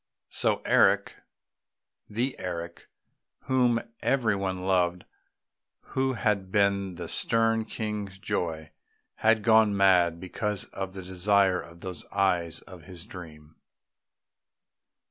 So Eric the Eric whom every one loved, who had been the stern King's joy had gone mad because of the desire for those eyes of his dream.